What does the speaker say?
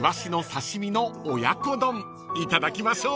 ［いただきましょう］